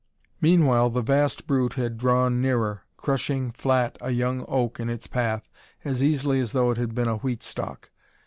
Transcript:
Meanwhile the vast brute had drawn nearer, crushing flat a young oak in its path as easily as though it had been a wheat stalk.